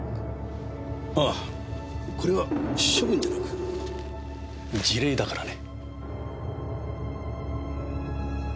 あぁこれは処分じゃなく辞令だからね。